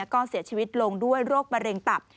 ก็เสียชีวิตลงด้วยโรคมะเร็งตับ